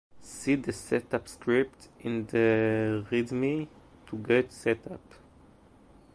See the setup scripts in the readme to get set up.